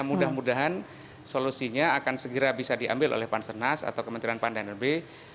mudah mudahan solusinya akan segera bisa diambil oleh panselnas atau kementerian pandanerbe